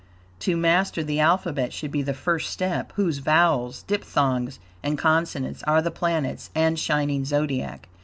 To master the alphabet should be the first step, whose vowels, diphthongs and consonants are the planets and shining Zodiac.